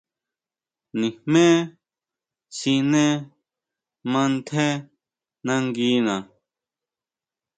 Nijmé siné mantjé nanguina.